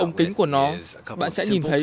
ống kính của nó bạn sẽ nhìn thấy